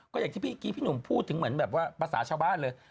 ก็อย่างที่พี่นุ่มพูดถึงแบบว่าภาษาชาวบ้านเลย